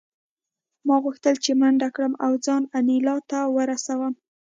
ما غوښتل چې منډه کړم او ځان انیلا ته ورسوم